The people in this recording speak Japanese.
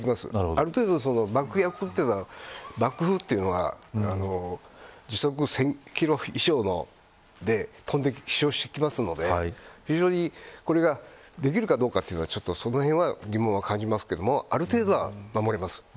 ある程度、爆薬というのは爆風というのは時速１０００キロ以上で飛んできますのでこれができるかどうかというのはそのへんは疑問は感じますがある程度は守れます。